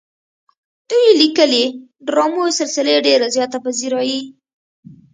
د دوي ليکلې ډرامو سلسلې ډېره زياته پذيرائي